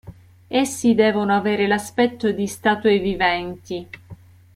Essi devono avere l'aspetto di statue viventi.